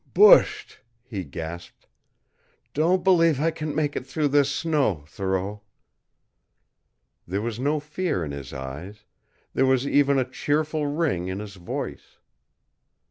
"Bushed," he gasped. "Don't believe I can make it through this snow, Thoreau." There was no fear in his eyes; there was even a cheerful ring in his voice.